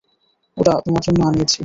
ওটা তোমার জন্য আনিয়েছি।